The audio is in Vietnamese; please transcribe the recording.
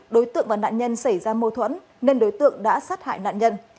đối tượng và nạn nhân xảy ra mâu thuẫn nên đối tượng đã sát hại nạn nhân